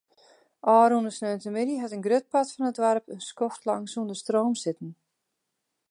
Ofrûne sneontemiddei hat in grut part fan it doarp in skoftlang sonder stroom sitten.